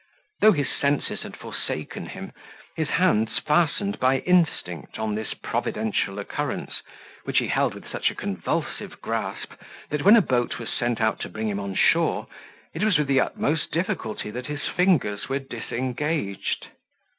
Though his senses had forsaken him, his hands fastened by instinct on this providential occurrence, which he held with such a convulsive grasp, that, when a boat was sent out to bring him on shore, it was with the utmost difficulty that his fingers were disengaged.